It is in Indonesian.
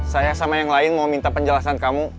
saya sama yang lain mau minta penjelasan kamu